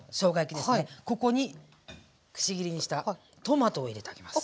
ここにくし切りにしたトマトを入れてあげます。